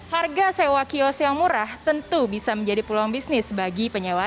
harga sewa kios yang murah tentu bisa menjadi peluang bisnis bagi penyewa